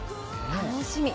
楽しみ。